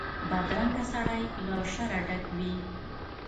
بدرنګه سړی له شره ډک وي